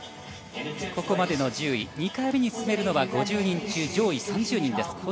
ここまでの１０位２回目に進めるのは５０人中上位３０人です。